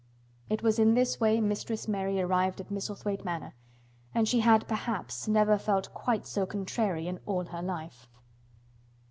It was in this way Mistress Mary arrived at Misselthwaite Manor and she had perhaps never felt quite so contrary in all her life.